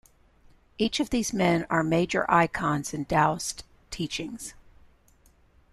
Each of these men are major icons in Daoist teachings.